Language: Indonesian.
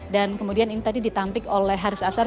dan kemudian ini tadi ditampik oleh haris ashar